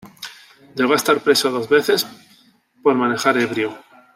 Llegó a estar preso dos veces por manejar ebrio.